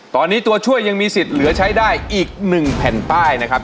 ตอนนี้ตัวช่วยยังมีสิทธิ์เหลือใช้ได้อีก๑แผ่นป้ายนะครับ